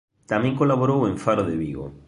Tamén colaborou en "Faro de Vigo".